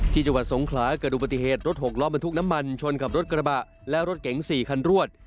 จังหวัดสงขลาเกิดอุบัติเหตุรถหกล้อบรรทุกน้ำมันชนกับรถกระบะและรถเก๋ง๔คันรวด